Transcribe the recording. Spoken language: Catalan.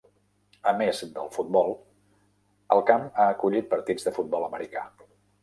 A més del futbol, el camp ha acollit partits de futbol americà.